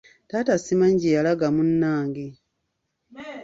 Taata simanyi gye yalaga munnange.